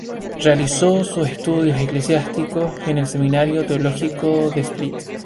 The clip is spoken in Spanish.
Realizó sus estudios eclesiásticos en el Seminario Teológico de Split.